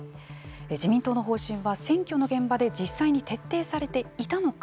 自民党の方針は選挙の現場で実際に徹底されていたのか。